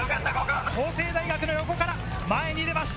法政大学の横から前に出ました！